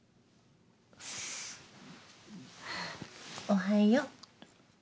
おはよう。